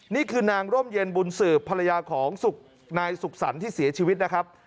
นี่คือนางร่มเย็นบุญสืบภรรยาของนายสุขสรรค์ที่เสียชีวิตนะครับ